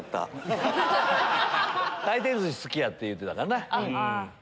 回転寿司好きやって言うてたからな。